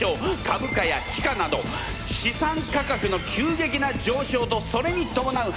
株価や地価など資産価格の急激な上昇とそれにともなう